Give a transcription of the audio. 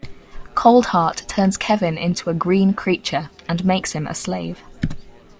Coldheart turns Kevin into a green creature and makes him a slave.